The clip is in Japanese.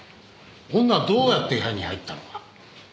女はどうやって部屋に入ったのか？